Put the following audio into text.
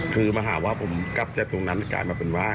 คือมาหาว่าผมกลับจากตรงนั้นกลายมาเป็นว่า